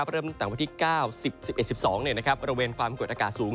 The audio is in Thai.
เริ่มตั้งแต่วันที่๙๑๑๑๑๒บริเวณความกดอากาศสูง